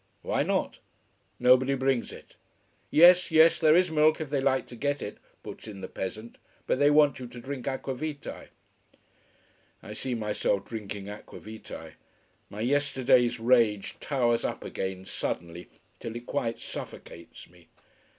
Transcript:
Why not? Nobody brings it. Yes, yes there is milk if they like to get it, puts in the peasant. But they want you to drink aqua vitae. I see myself drinking aqua vitae. My yesterday's rage towers up again suddenly, till it quite suffocates me.